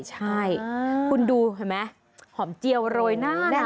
คุณดูเห็นไหมหอมเจียวโรยหน้า